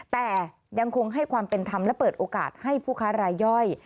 แต่ยังคงให้ความเป็นธรรมและเปิดโอกาสให้ผู้ค้ารายย่อย